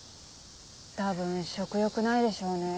多分食欲ないでしょうね。